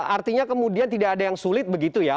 artinya kemudian tidak ada yang sulit begitu ya